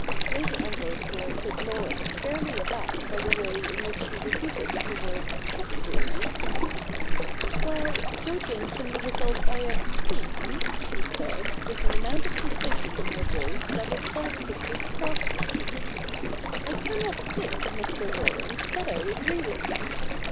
Lady Ambrose here took Laurence fairly aback by the way in which she repeated the word ' History !'~^' Well, judging from the results I have seen,' she said, with an amount of decision in her voice that was posi tively starding, ' I cannot say, Mr. Laurence, that I agree with you.